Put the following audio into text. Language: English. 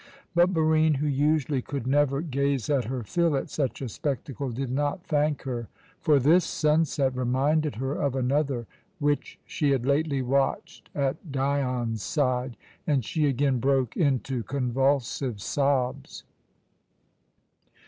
But Barine, who usually could never gaze her fill at such a spectacle, did not thank her, for this sunset reminded her of another which she had lately watched at Dion's side, and she again broke into convulsive sobs.